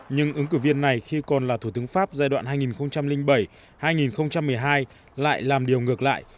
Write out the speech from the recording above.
nhưng ứng cử viên này khi còn là thủ tướng pháp giai đoạn hai nghìn bảy hai nghìn một mươi hai lại làm điều ngược lại